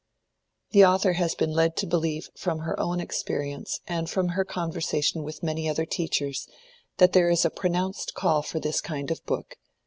The author has been led to believe from her own experience and from her conversation with many other teachers that there is a pronounced call for this kind of book.